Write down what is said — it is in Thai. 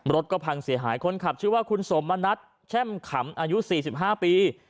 รถก็พังเสียหายคนขับชื่อว่าคุณสมณัฐแช่มขำอายุ๔๕ปี